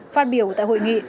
phát biểu tại hội nghị